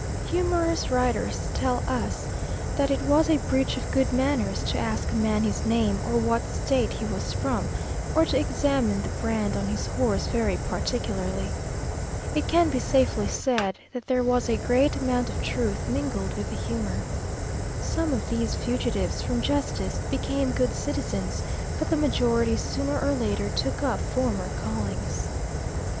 Humorous writers tell us that it was a breach of good manners to ask a man his name, or what State he was from, or to examine the brand on his horse very particularly. It can be safely said that there was a great amount of truth mingled with the humor. Some of these fugitives from justice became good citizens, but the majority sooner or later took up former callings.